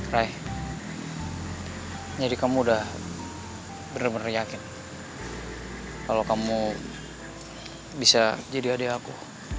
raih jadi kamu udah bener bener yakin kalau kamu bisa jadi adik aku